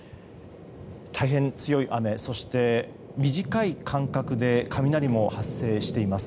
大変強い雨、そして短い間隔で雷も発生しています。